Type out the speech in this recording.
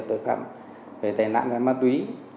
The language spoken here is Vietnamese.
tội phạm về tài nạn và ma túy